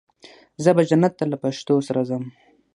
زه به جنت ته له پښتو سره ځم.